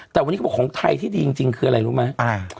แต่วันนี้เขาบอกของไทยที่ดีจริงคืออะไรรู้ไหม